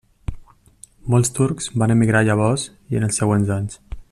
Molts turcs van emigrar llavors i en els següents anys.